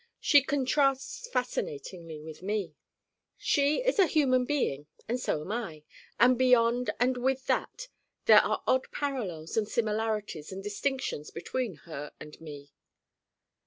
She contrasts fascinatingly with me. She is a human being and so am I, and beyond and with that there are odd parallels and similarities and distinctions between her and me.